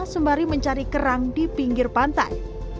sembari mencari kerang di pinggir pantai